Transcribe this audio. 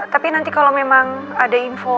tapi nanti kalau memang ada info